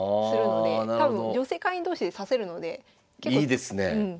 いいですね。